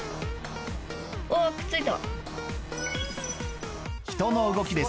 おぉくっついた。